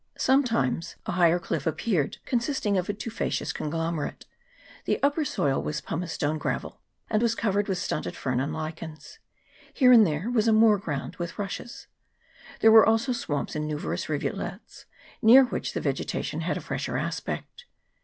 Sometimes a higher cliff appeared, consisting of a tufaceous conglomerate ; the upper soil was pumice stone gravel, and was covered with stunted fern and lichens; here and there was a moor ground with rushes ; there were also swamps and numerous rivu lets, near which the vegetation had a fresher aspect.